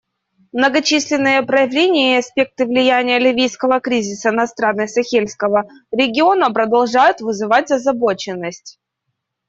Многочисленные проявления и аспекты влияния ливийского кризиса на страны Сахельского региона продолжают вызывать озабоченность.